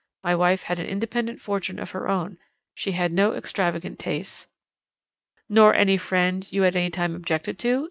My wife had an independent fortune of her own she had no extravagant tastes ' "'Nor any friend you at any time objected to?'